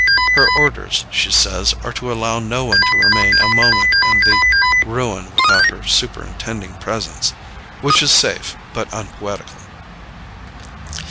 Her orders, she says, are to allow no one to remain a moment in the ruin without her superintending presence which is safe, but unpoetical.